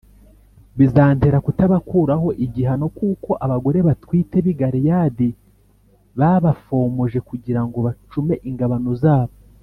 bizantera kutabakuraho igihano kuko abagore batwite b’i Galeyadi babafomoje kugira ngo bacume ingabano zabo.